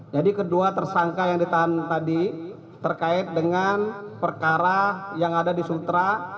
jadi kedua tersangka yang ditahan tadi terkait dengan perkara yang ada di sultra